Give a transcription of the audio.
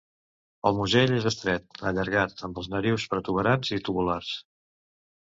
El musell és estret, allargat, amb els narius protuberants i tubulars.